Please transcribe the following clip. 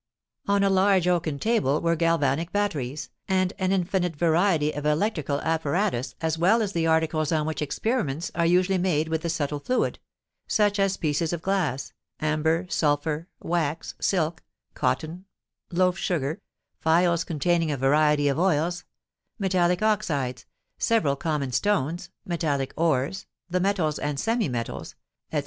On a large oaken table were galvanic batteries, and an infinite variety of electrical apparatus as well as the articles on which experiments are usually made with the subtle fluid,—such as pieces of glass, amber, sulphur, wax, silk, cotton, loaf sugar, phials containing a variety of oils, metallic oxides, several common stones, metallic ores, the metals and semi metals, &c.